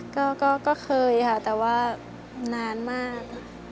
ก็เคยค่ะแต่ว่านานมาก